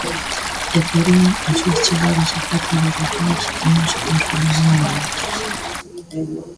E, porén, as súas chegadas á porta dos locais non se transformaron en goles.